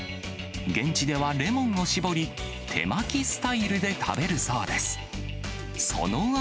現地ではレモンを搾り、手巻きスタイルで食べるそうです。